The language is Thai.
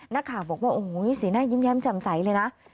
นักข่าวบอกว่าโอ้โหสีหน้ายิ้มแย้มแจ่มใสเลยนะ